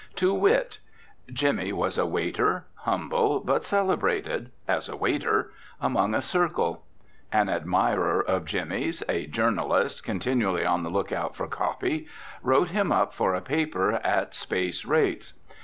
To wit: Jimmy was a waiter, humble, but celebrated as a waiter among a circle. An admirer of Jimmy's, a journalist continually on the lookout for copy, wrote him up for the paper at space rates.